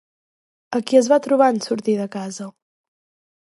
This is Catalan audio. A qui es va trobar en sortir de casa?